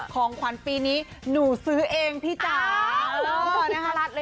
ของขวัญปีนี้หนูซื้อเองพี่จ๋า